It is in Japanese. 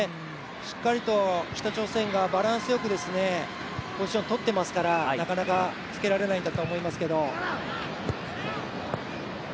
しっかりと北朝鮮がバランスよくポジションとってますからなかなかつけられないんだとは思いますけど。